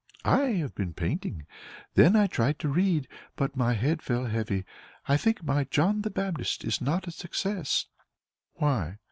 "I have been painting; then I tried to read, but my head felt heavy. I think my John the Baptist is not a success." "Why?"